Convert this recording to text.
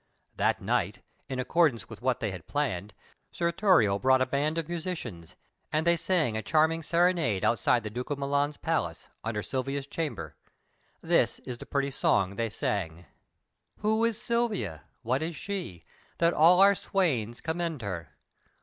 That night, in accordance with what they had arranged, Sir Thurio brought a band of musicians, and they sang a charming serenade outside the Duke of Milan's palace, under Silvia's chamber. This is the pretty song they sang: "Who is Silvia? What is she, That all our swains commend her?